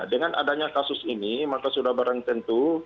dengan adanya kasus ini maka sudah barang tentu